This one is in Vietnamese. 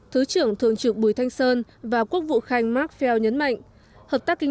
thứ trưởng thượng trưởng bùi thanh sơn và quốc vụ khanh mark pheo nhấn mạnh